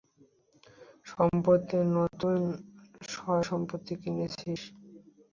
সম্প্রতি নতুন সয়সম্পত্তি কিনেছিস!